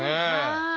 はい！